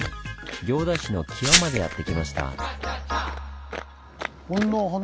行田市のキワまでやって来ました。